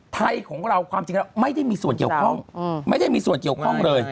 ไทยของเราความจริงของเราไม่ได้มีส่วนเกี่ยวข้องเลย